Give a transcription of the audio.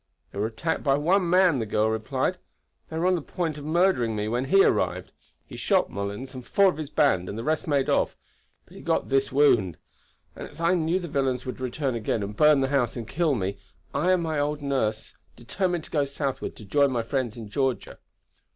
"They were attacked by one man," the girl replied. "They were on the point of murdering me when he arrived. He shot Mullens and four of his band and the rest made off, but he got this wound. And as I knew the villains would return again and burn the house and kill me, I and my old nurse determined to go southward to join my friends in Georgia."